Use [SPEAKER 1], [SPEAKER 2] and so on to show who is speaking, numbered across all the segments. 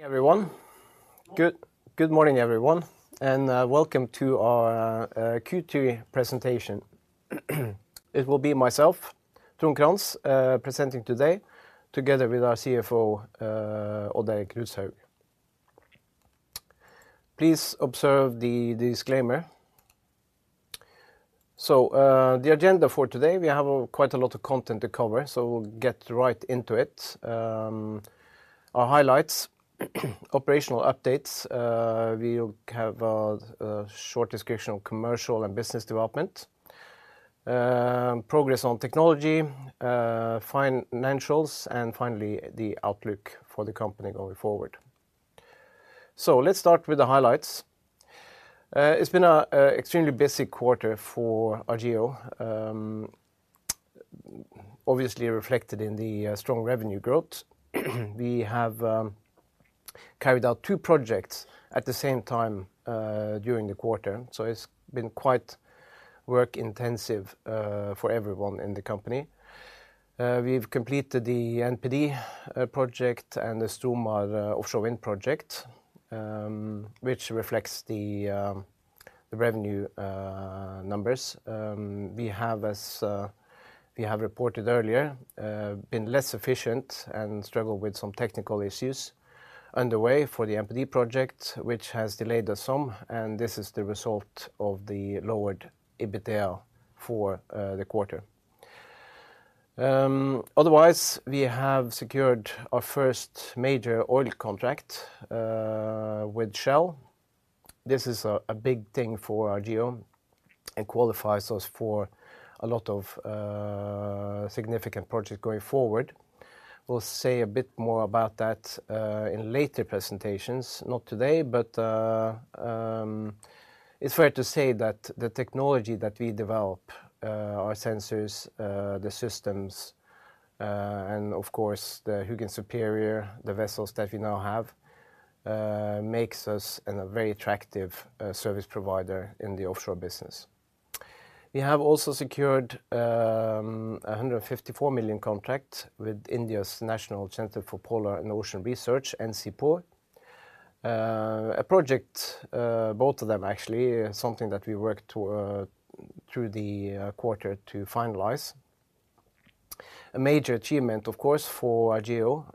[SPEAKER 1] Everyone. Good, good morning, everyone, and welcome to our Q2 presentation. It will be myself, Trond Crantz, presenting today, together with our CFO, Odd Erik Rudshaug. Please observe the disclaimer. So, the agenda for today, we have quite a lot of content to cover, so we'll get right into it. Our highlights, operational updates, we'll have a short description of commercial and business development, progress on technology, financials, and finally, the outlook for the company going forward. So let's start with the highlights. It's been a extremely busy quarter for Argeo, obviously reflected in the strong revenue growth. We have carried out two projects at the same time during the quarter, so it's been quite work intensive for everyone in the company. We've completed the NPD project and the Stromar offshore wind project, which reflects the revenue numbers. We have, as we have reported earlier, been less efficient and struggled with some technical issues underway for the NPD project, which has delayed us some, and this is the result of the lowered EBITDA for the quarter. Otherwise, we have secured our first major oil contract with Shell. This is a big thing for Argeo and qualifies us for a lot of significant projects going forward. We'll say a bit more about that, in later presentations, not today, but it's fair to say that the technology that we develop, our sensors, the systems, and of course, the Hugin Superior, the vessels that we now have, makes us a very attractive service provider in the offshore business. We have also secured a 154 million contract with India's National Centre for Polar and Ocean Research, NCPOR. A project, both of them actually, something that we worked to through the quarter to finalize. A major achievement, of course, for Argeo,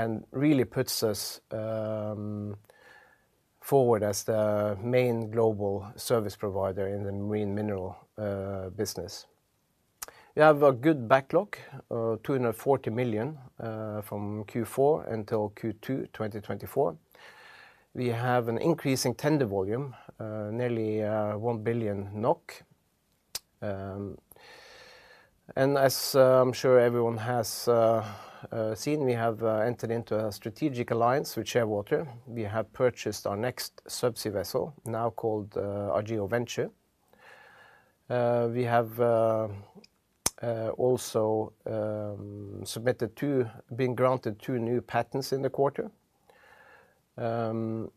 [SPEAKER 1] and really puts us forward as the main global service provider in the marine mineral business. We have a good backlog, 240 million, from Q4 until Q2 2024. We have an increase in tender volume, nearly NOK 1 billion. And as I'm sure everyone has seen, we have entered into a strategic alliance with Shearwater. We have purchased our next subsea vessel, now called Argeo Venture. We have also submitted two... Being granted two new patents in the quarter. And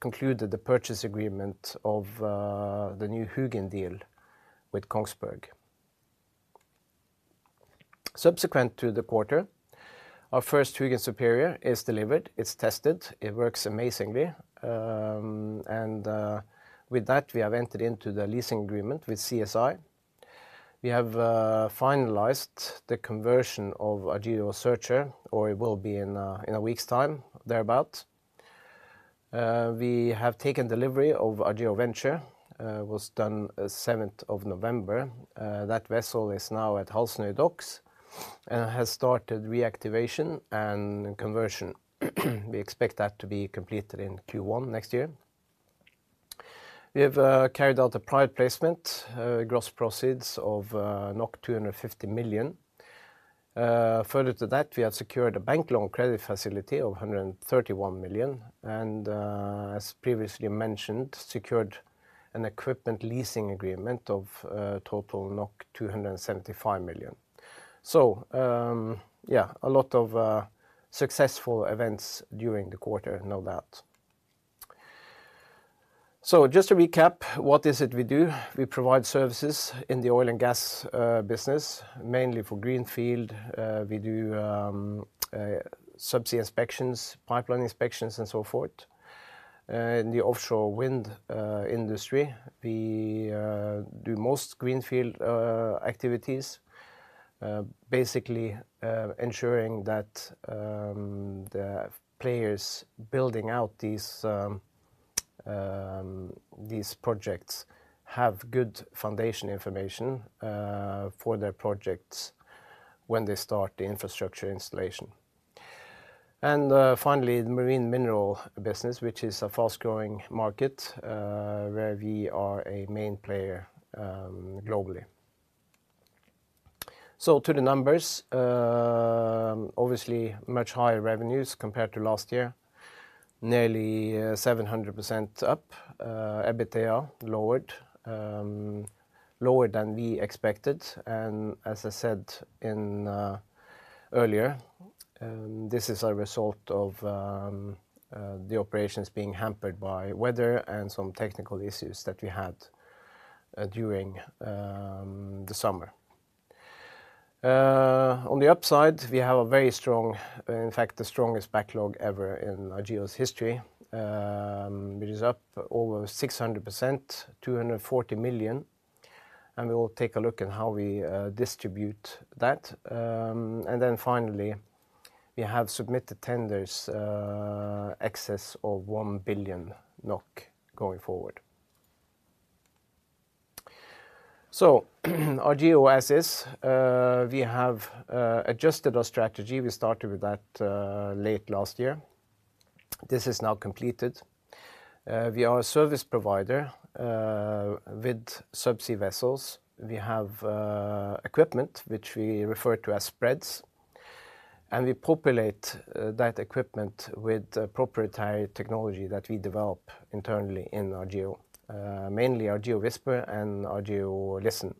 [SPEAKER 1] concluded the purchase agreement of the new Hugin deal with Kongsberg. Subsequent to the quarter, our first Hugin Superior is delivered. It's tested, it works amazingly. And with that, we have entered into the leasing agreement with CSI. We have finalized the conversion of Argeo Searcher, or it will be in a week's time, thereabout. We have taken delivery of Argeo Venture, was done on seventh of November. That vessel is now at Halsnøy Docks, and has started reactivation and conversion. We expect that to be completed in Q1 next year. We have carried out a private placement, gross proceeds of 250 million. Further to that, we have secured a bank loan credit facility of 131 million, and, as previously mentioned, secured an equipment leasing agreement of total 275 million. So, yeah, a lot of successful events during the quarter, no doubt. So just to recap, what is it we do? We provide services in the oil and gas business, mainly for greenfield. We do subsea inspections, pipeline inspections, and so forth. In the offshore wind industry, we do most greenfield activities, basically ensuring that the players building out these projects have good foundation information for their projects when they start the infrastructure installation. Finally, the marine mineral business, which is a fast-growing market, where we are a main player, globally. To the numbers, obviously, much higher revenues compared to last year, nearly 700% up. EBITDA lowered, lower than we expected. And as I said earlier, this is a result of the operations being hampered by weather and some technical issues that we had during the summer. On the upside, we have a very strong, in fact, the strongest backlog ever in Argeo's history. It is up over 600%, 240 million, and we will take a look at how we distribute that. Then finally, we have submitted tenders excess of 1 billion NOK going forward. So Argeo as is, we have adjusted our strategy. We started with that late last year. This is now completed. We are a service provider with subsea vessels. We have equipment, which we refer to as spreads, and we populate that equipment with proprietary technology that we develop internally in Argeo, mainly Argeo Whisper and Argeo Listen.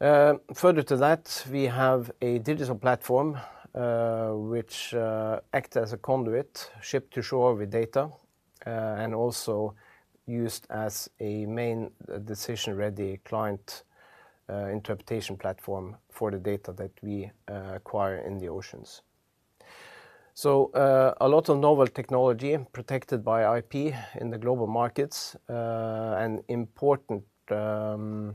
[SPEAKER 1] Further to that, we have a digital platform, which act as a conduit, ship-to-shore with data, and also used as a main decision-ready client interpretation platform for the data that we acquire in the oceans. So, a lot of novel technology protected by IP in the global markets, and important drivers,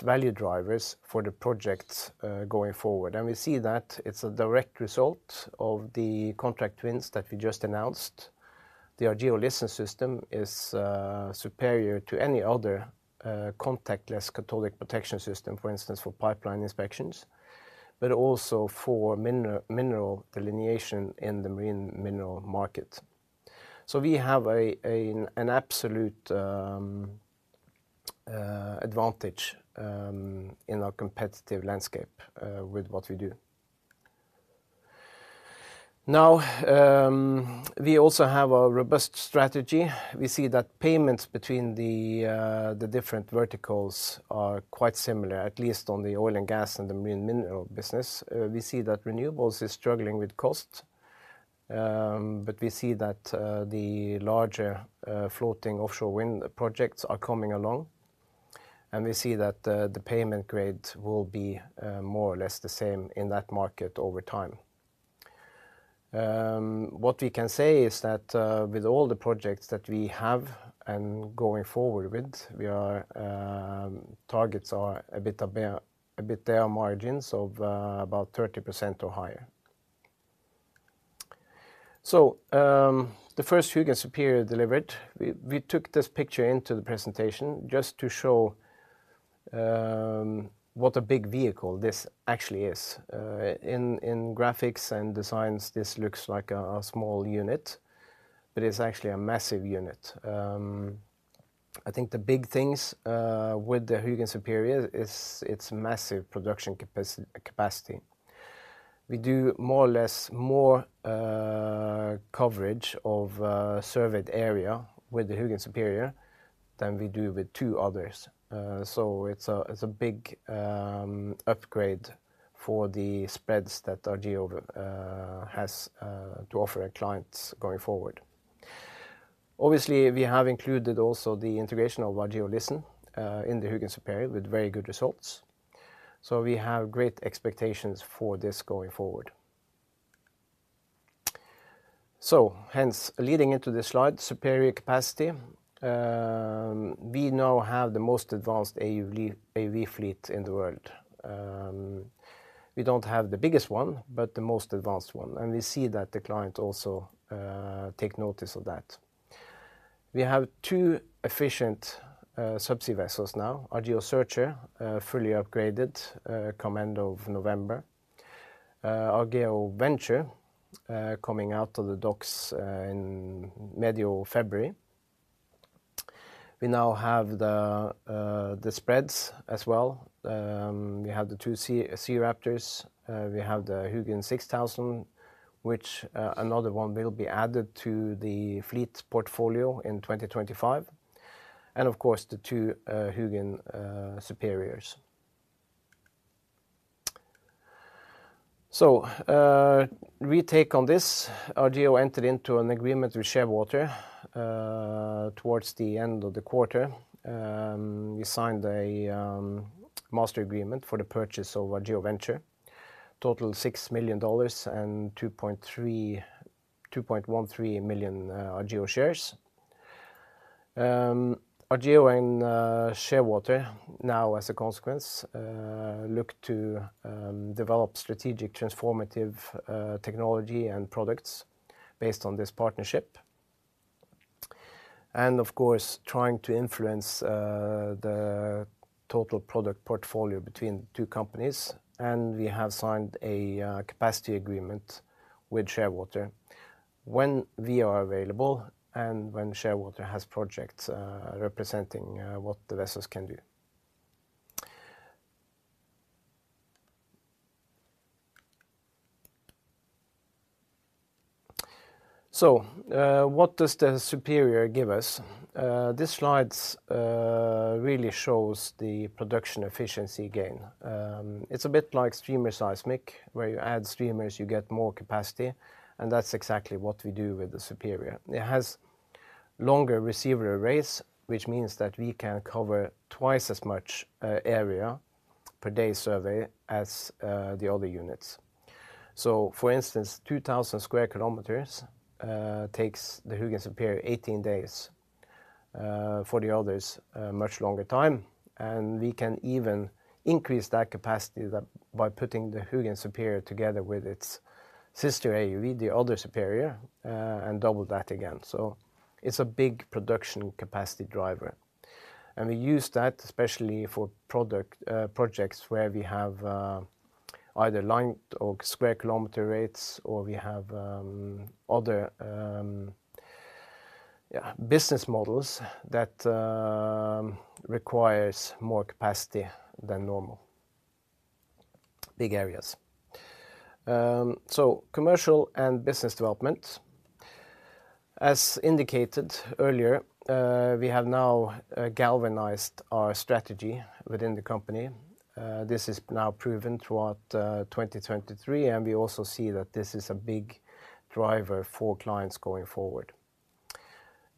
[SPEAKER 1] value drivers for the projects going forward. And we see that it's a direct result of the contract wins that we just announced. The Argeo Listen system is superior to any other contactless cathodic protection system, for instance, for pipeline inspections, but also for mineral delineation in the marine mineral market. So we have an absolute advantage in our competitive landscape with what we do. Now, we also have a robust strategy. We see that payments between the different verticals are quite similar, at least on the oil and gas and the marine mineral business. We see that renewables is struggling with cost, but we see that the larger floating offshore wind projects are coming along, and we see that the payment grade will be more or less the same in that market over time. What we can say is that with all the projects that we have and going forward with, we are targets are a bit of a, a bit there are margins of about 30% or higher. So, the first Hugin Superior delivered. We took this picture into the presentation just to show what a big vehicle this actually is. In graphics and designs, this looks like a small unit, but it's actually a massive unit. I think the big things with the Hugin Superior is its massive production capacity. We do more or less more coverage of surveyed area with the Hugin Superior than we do with two others. So it's a big upgrade for the spreads that Argeo has to offer our clients going forward. Obviously, we have included also the integration of Argeo Listen in the Hugin Superior with very good results. So we have great expectations for this going forward. So hence, leading into this slide, superior capacity. We now have the most advanced AUV fleet in the world. We don't have the biggest one, but the most advanced one, and we see that the clients also take notice of that. We have two efficient subsea vessels now, Argeo Searcher fully upgraded come end of November. Argeo Venture coming out of the docks in mid February. We now have the spreads as well. We have the two SeaRaptors, we have the Hugin 6000, which another one will be added to the fleet portfolio in 2025, and of course, the two Hugin Superiors. So we take on this, Argeo entered into an agreement with Shearwater towards the end of the quarter. We signed a master agreement for the purchase of Argeo Venture, total $6 million and 2.13 million Argeo shares. Argeo and Shearwater now, as a consequence, look to develop strategic, transformative technology and products based on this partnership. Of course, trying to influence the total product portfolio between the two companies, and we have signed a capacity agreement with Shearwater when we are available and when Shearwater has projects, representing what the vessels can do. So, what does the Superior give us? This slide really shows the production efficiency gain. It's a bit like streamer seismic, where you add streamers, you get more capacity, and that's exactly what we do with the Superior. It has longer receiver arrays, which means that we can cover twice as much area per day survey as the other units. So for instance, 2,000 square kilometers takes the Hugin Superior 18 days. For the others, a much longer time, and we can even increase that capacity by, by putting the Hugin Superior together with its sister AUV, the other Superior, and double that again. So it's a big production capacity driver, and we use that especially for product projects where we have either line or square kilometer rates, or we have other yeah business models that requires more capacity than normal. Big areas. So commercial and business development. As indicated earlier, we have now galvanized our strategy within the company. This is now proven throughout 2023, and we also see that this is a big driver for clients going forward.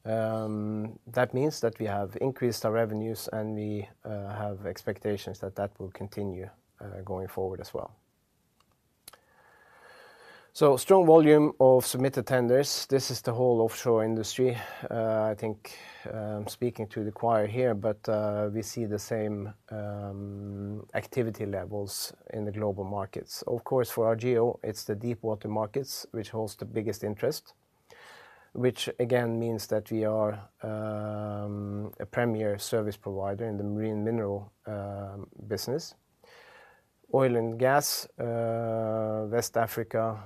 [SPEAKER 1] That means that we have increased our revenues, and we have expectations that that will continue going forward as well. So strong volume of submitted tenders. This is the whole offshore industry. I think, speaking to the choir here, but, we see the same, activity levels in the global markets. Of course, for Argeo, it's the deep water markets which holds the biggest interest, which again, means that we are, a premier service provider in the marine mineral, business. Oil and gas, West Africa,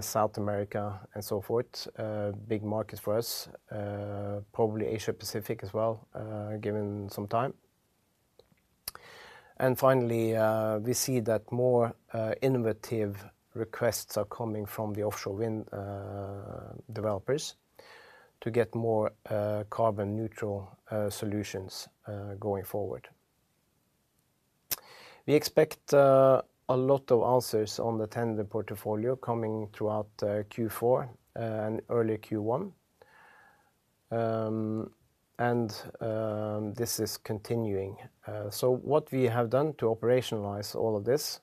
[SPEAKER 1] South America, and so forth, a big market for us, probably Asia-Pacific as well, given some time. And finally, we see that more, innovative requests are coming from the offshore wind, developers to get more, carbon neutral, solutions, going forward. We expect, a lot of answers on the tender portfolio coming throughout, Q4 and early Q1. And, this is continuing. So what we have done to operationalize all of this,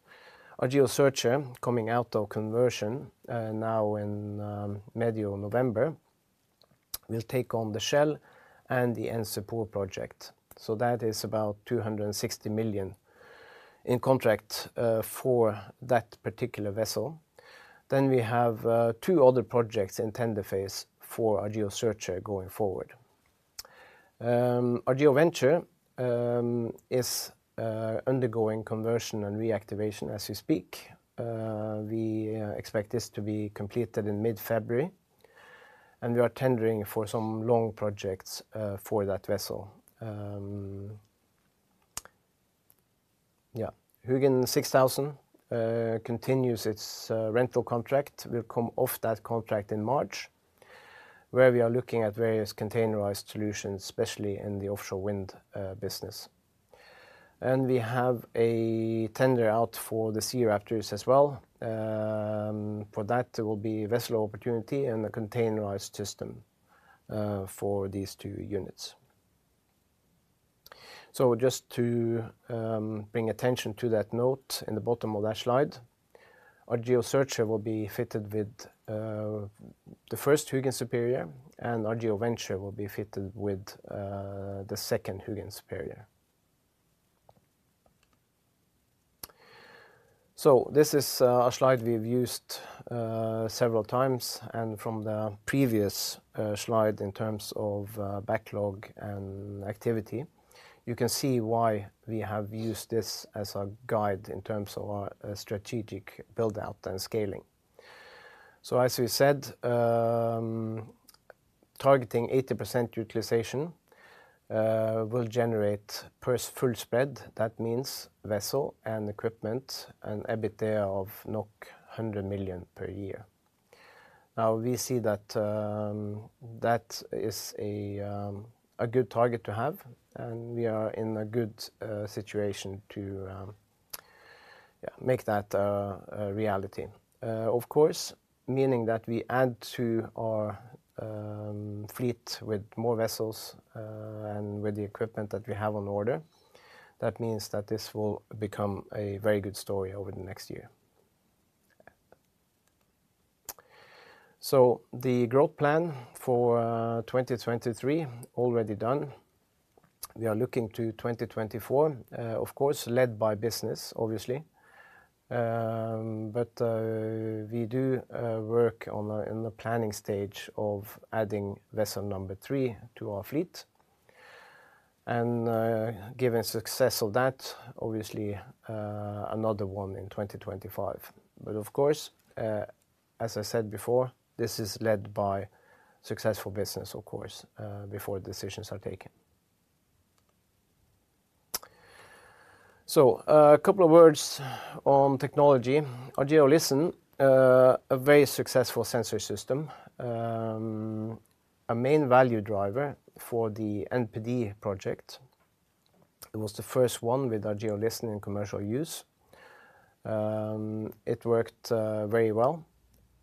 [SPEAKER 1] Argeo Searcher, coming out of conversion, now in mid-November, will take on the Shell and the NCPOR project. So that is about $260 million in contract for that particular vessel. Then we have two other projects in tender phase for Argeo Searcher going forward. Argeo Venture is undergoing conversion and reactivation as we speak. We expect this to be completed in mid-February, and we are tendering for some long projects for that vessel. Hugin 6000 continues its rental contract. We'll come off that contract in March, where we are looking at various containerized solutions, especially in the offshore wind business. And we have a tender out for the SeaRaptors as well. For that, there will be vessel opportunity and a containerized system for these two units. So just to bring attention to that note in the bottom of that slide, Argeo Searcher will be fitted with the first Hugin Superior, and Argeo Venture will be fitted with the second Hugin Superior. So this is a slide we've used several times, and from the previous slide in terms of backlog and activity, you can see why we have used this as a guide in terms of our strategic build-out and scaling. So, as we said, targeting 80% utilization will generate per full spread. That means vessel and equipment and EBITDA of 100 million per year. Now, we see that that is a good target to have, and we are in a good situation to make that a reality. Of course, meaning that we add to our fleet with more vessels, and with the equipment that we have on order, that means that this will become a very good story over the next year. So the growth plan for 2023, already done. We are looking to 2024, of course, led by business, obviously. But we do work in the planning stage of adding vessel number 3 to our fleet, and given success of that, obviously, another one in 2025. But of course, as I said before, this is led by successful business, of course, before decisions are taken. So, a couple of words on technology. Argeo Listen, a very successful sensor system. A main value driver for the NPD project. It was the first one with Argeo Listen in commercial use. It worked very well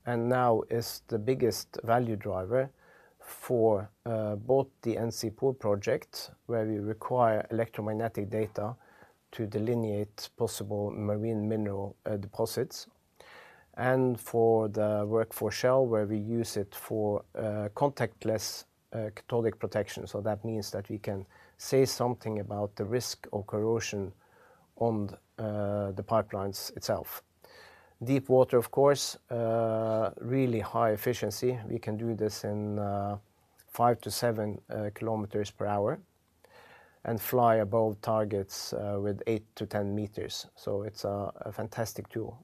[SPEAKER 1] and now is the biggest value driver for both the NCP project, where we require electromagnetic data to delineate possible marine mineral deposits, and for the work for Shell, where we use it for contactless cathodic protection. So that means that we can say something about the risk of corrosion on the pipelines itself. Deep water, of course, really high efficiency. We can do this in 5-7 kilometers per hour and fly above targets with 8-10 meters. So it's a fantastic tool.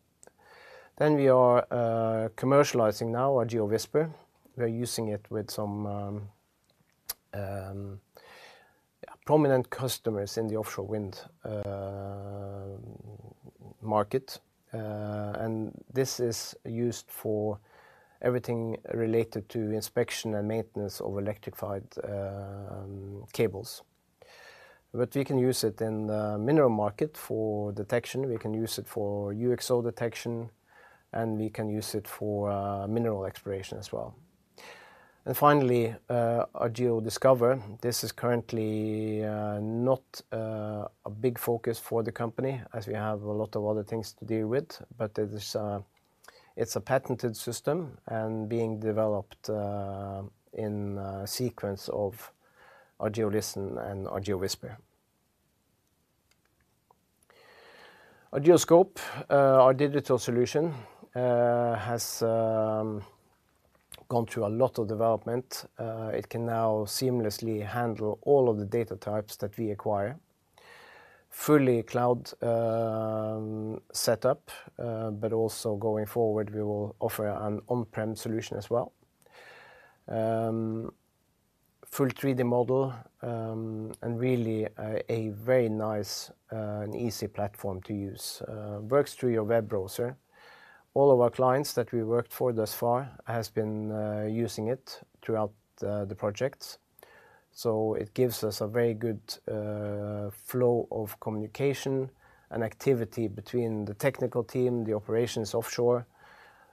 [SPEAKER 1] Then we are commercializing now our Argeo Whisper. We're using it with some prominent customers in the offshore wind market. And this is used for everything related to inspection and maintenance of electrified cables. But we can use it in the mineral market for detection, we can use it for UXO detection, and we can use it for mineral exploration as well. And finally our Argeo Discover. This is currently not a big focus for the company as we have a lot of other things to deal with, but it is, it's a patented system and being developed in sequence of our Argeo Listen and our Argeo Whisper. Our Argeo Scope, our digital solution, has gone through a lot of development. It can now seamlessly handle all of the data types that we acquire. Fully cloud setup, but also going forward, we will offer an on-prem solution as well. Full 3D model, and really a very nice and easy platform to use. Works through your web browser. All of our clients that we worked for thus far has been using it throughout the projects. So it gives us a very good flow of communication and activity between the technical team, the operations offshore,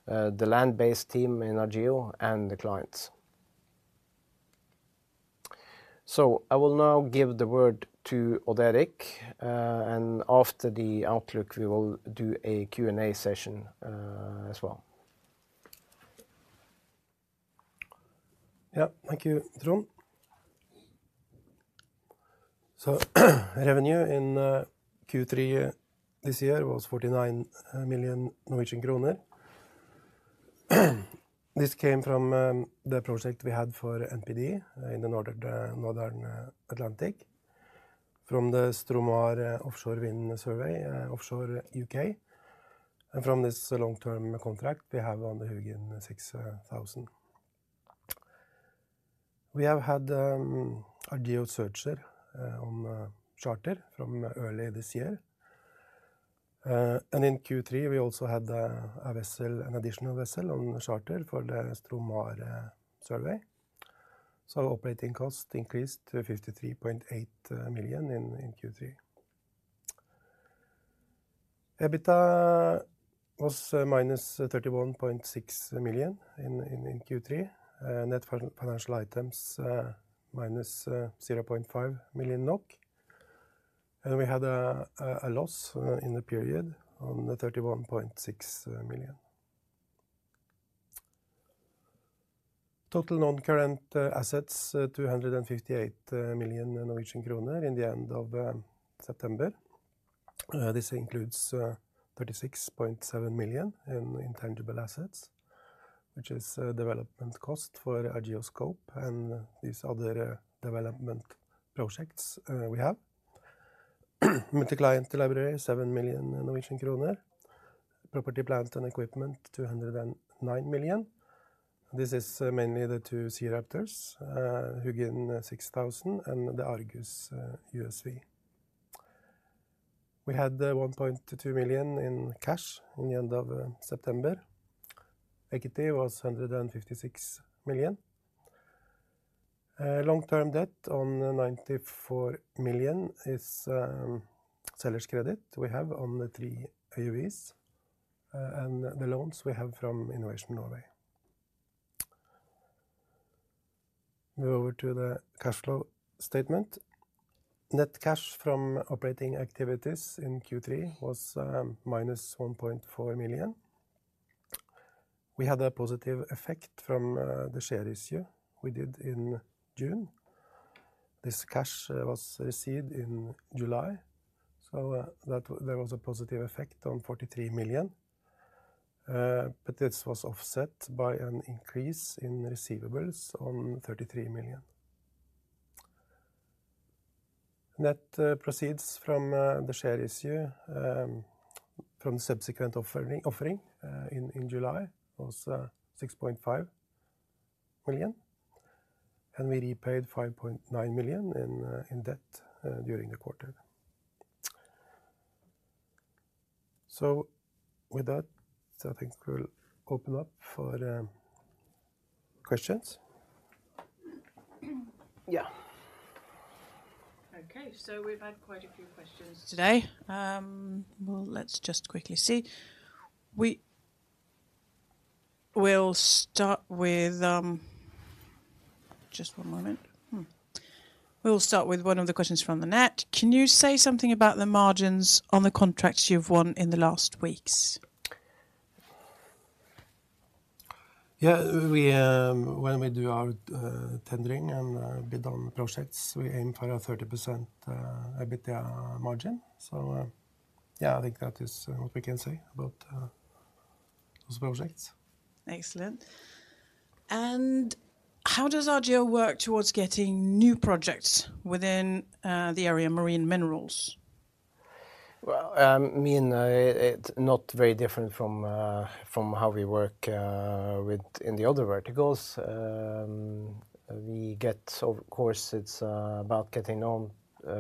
[SPEAKER 1] the land-based team in Argeo, and the clients. So I will now give the word to Odd Erik, and after the outlook, we will do a Q&A session as well.
[SPEAKER 2] Yeah, thank you, Trond. So, revenue in Q3 this year was 49 million Norwegian kroner. This came from the project we had for NPD in the Northern Atlantic, from the Stromar offshore wind survey offshore UK, and from this long-term contract we have on the Hugin 6000. We have had Argeo Searcher on charter from early this year. And in Q3, we also had a vessel, an additional vessel on charter for the Stromar survey. So operating cost increased to 53.8 million in Q3. EBITDA was -31.6 million in Q3. Net financial items minus -0.5 million NOK. And we had a loss in the period on 31.6 million. Total non-current assets, 258 million Norwegian kroner in the end of September. This includes 36.7 million in intangible assets, which is development cost for our Argeo Scope and these other development projects we have. Multi-client library, 7 million Norwegian kroner. Property, plant, and equipment, 209 million. This is mainly the two SeaRaptors, Hugin 6000, and the Argus USV. We had 1.2 million in cash in the end of September. Equity was 156 million. Long-term debt on 94 million is seller's credit we have on the three AUVs and the loans we have from Innovation Norway. Move over to the cash flow statement. Net cash from operating activities in Q3 was minus 1.4 million. We had a positive effect from the share issue we did in June. This cash was received in July, so that there was a positive effect on 43 million. But this was offset by an increase in receivables on 33 million. Net proceeds from the share issue from the subsequent offering in July was 6.5 million and we repaid 5.9 million in debt during the quarter. So with that, I think we'll open up for questions.
[SPEAKER 1] Yeah.
[SPEAKER 3] Okay, so we've had quite a few questions today. Well, let's just quickly see. We'll start with one of the questions from the net: Can you say something about the margins on the contracts you've won in the last weeks?
[SPEAKER 1] Yeah, when we do our tendering and bid on projects, we aim for a 30% EBITDA margin. So, yeah, I think that is what we can say about those projects.
[SPEAKER 3] Excellent. And how does Argeo work towards getting new projects within the area marine minerals?
[SPEAKER 1] Well, I mean, it's not very different from from how we work within the other verticals. We get. Of course, it's about getting known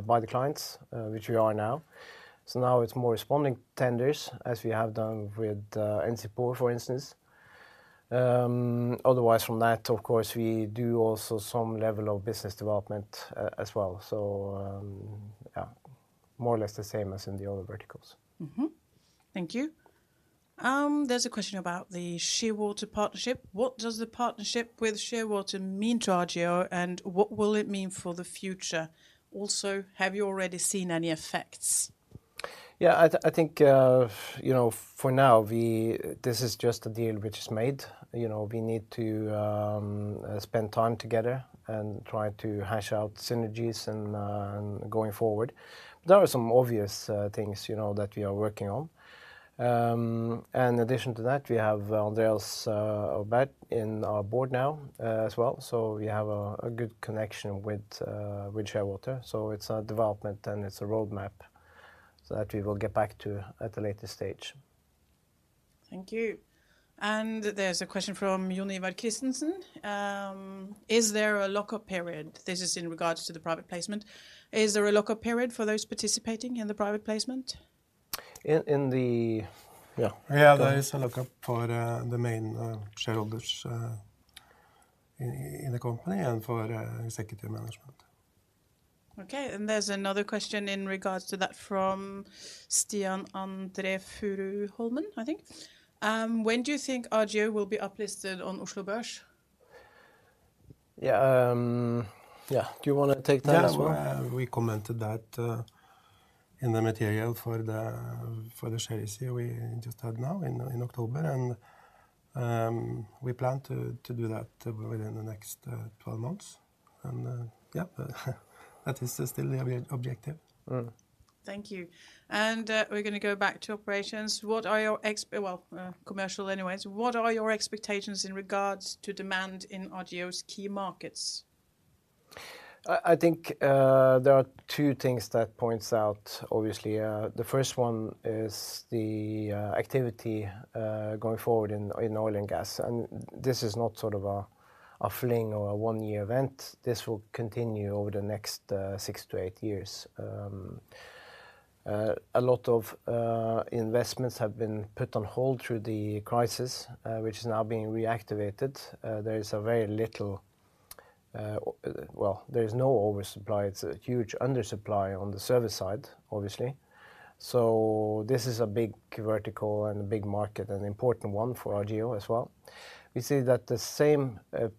[SPEAKER 1] by the clients, which we are now. So now it's more responding tenders, as we have done with NCPOR, for instance. Otherwise, from that, of course, we do also some level of business development, as well. So, yeah, more or less the same as in the other verticals.
[SPEAKER 3] Mm-hmm. Thank you. There's a question about the Shearwater partnership. What does the partnership with Shearwater mean to Argeo, and what will it mean for the future? Also, have you already seen any effects?
[SPEAKER 1] Yeah, I think, you know, for now, we. This is just a deal which is made. You know, we need to spend time together and try to hash out synergies and going forward. There are some obvious things, you know, that we are working on. And in addition to that, we have Andreas Aurbekk in our board now, as well, so we have a good connection with Shearwater. So it's a development, and it's a roadmap that we will get back to at a later stage.
[SPEAKER 3] Thank you. There's a question from Johnny Falch Christensen. Is there a lock-up period? This is in regards to the private placement. Is there a lock-up period for those participating in the private placement?
[SPEAKER 1] Yeah.
[SPEAKER 2] Yeah, there is a lock-up for the main shareholders in the company and for executive management.
[SPEAKER 3] Okay, and there's another question in regards to that from Stian Andre Furuholmen, I think. When do you think Argeo will be uplisted on Oslo Børs?
[SPEAKER 1] Yeah, yeah, do you want to take that as well?
[SPEAKER 2] Yeah, we commented that in the material for the shareholders' meeting we just had now in October, and we plan to do that within the next 12 months. And yeah, that is still the objective. Mm.
[SPEAKER 3] Thank you. And, we're going to go back to operations. What are your well, commercial anyways, what are your expectations in regards to demand in Argeo's key markets?
[SPEAKER 1] I think there are two things that points out, obviously. The first one is the activity going forward in oil and gas, and this is not sort of a fling or a 1-year event. This will continue over the next 6-8 years. A lot of investments have been put on hold through the crisis, which is now being reactivated. There is a very little, well, there is no oversupply. It's a huge undersupply on the service side, obviously. So this is a big vertical and a big market, an important one for Argeo as well. We see that the same pay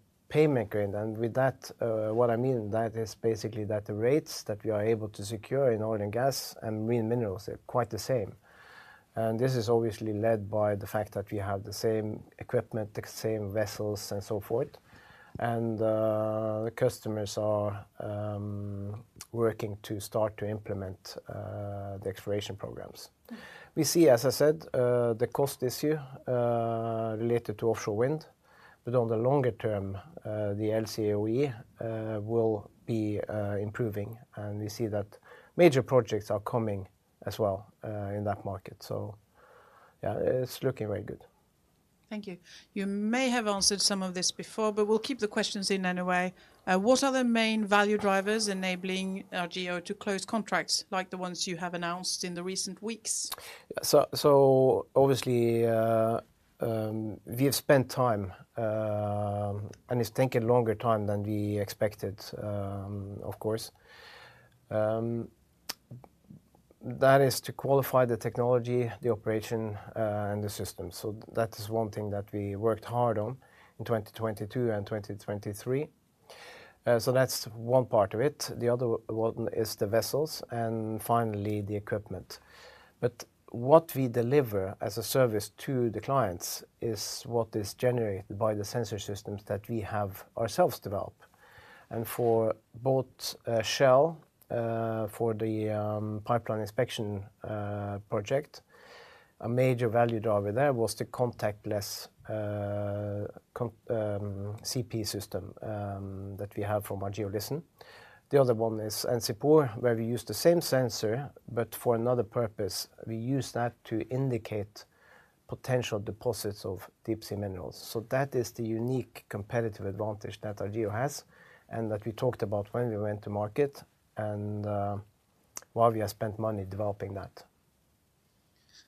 [SPEAKER 1] marker, and with that, what I mean, that is basically that the rates that we are able to secure in oil and gas and wind minerals are quite the same. This is obviously led by the fact that we have the same equipment, the same vessels, and so forth. The customers are working to start to implement the exploration programs. We see, as I said, the cost issue related to offshore wind, but on the longer term, the LCOE will be improving, and we see that major projects are coming as well in that market. So yeah, it's looking very good.
[SPEAKER 3] Thank you. You may have answered some of this before, but we'll keep the questions in anyway. What are the main value drivers enabling Argeo to close contracts like the ones you have announced in the recent weeks?
[SPEAKER 1] Yeah, so, so obviously, we have spent time, and it's taken longer time than we expected, of course. That is to qualify the technology, the operation, and the system. So that is one thing that we worked hard on in 2022 and 2023. So that's one part of it. The other one is the vessels and finally, the equipment. But what we deliver as a service to the clients is what is generated by the sensor systems that we have ourselves developed. And for both, Shell, for the pipeline inspection project, a major value driver there was the contactless CP system that we have from Argeo Listen. The other one is NCPOR, where we use the same sensor but for another purpose. We use that to indicate potential deposits of deep sea minerals. So that is the unique competitive advantage that Argeo has and that we talked about when we went to market, and why we have spent money developing that.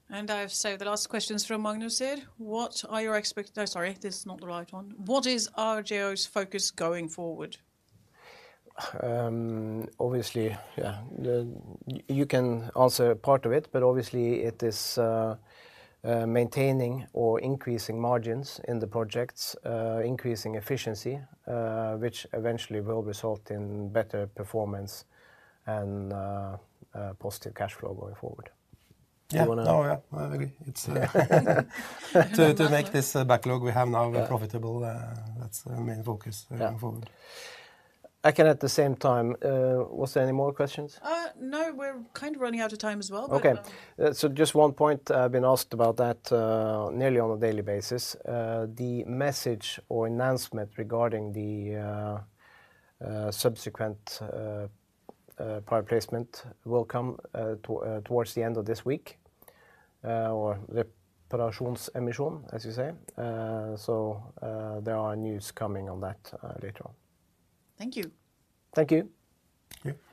[SPEAKER 3] I've saved the last questions from Magnus here. Oh, sorry, this is not the right one. What is Argeo's focus going forward?
[SPEAKER 1] Obviously, yeah, you can answer part of it, but obviously, it is maintaining or increasing margins in the projects, increasing efficiency, which eventually will result in better performance and positive cash flow going forward. Do you wanna-
[SPEAKER 2] Yeah. No, yeah, I agree. It's to make this backlog we have now-
[SPEAKER 1] Yeah...
[SPEAKER 2] profitable, that's the main focus-
[SPEAKER 1] Yeah...
[SPEAKER 2] going forward.
[SPEAKER 1] I can at the same time. Was there any more questions?
[SPEAKER 3] No, we're kind of running out of time as well, but-
[SPEAKER 1] Okay. So just one point, I've been asked about that nearly on a daily basis. The message or announcement regarding the subsequent repair placement will come towards the end of this week, or the [inaudible] as you say. So, there are news coming on that later on.
[SPEAKER 3] Thank you.
[SPEAKER 1] Thank you.
[SPEAKER 2] Yeah.